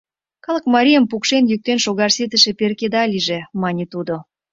— Калык марийым пукшен-йӱктен шогаш ситыше перкеда лийже, — мане тудо.